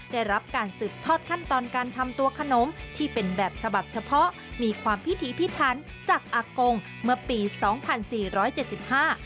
ได้รับการสืบทอดขั้นตอนการทำตัวขนมที่เป็นแบบฉบับเฉพาะมีความพิถีพิถันจากอากงเมื่อปีสองพันสี่ร้อยเจ็ดสิบห้า